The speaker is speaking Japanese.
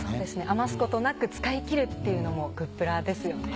余すことなく使い切るっていうのもグップラですよね。